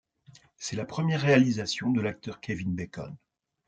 C'est la première réalisation de l'acteur Kevin Bacon.